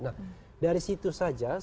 nah dari situ saja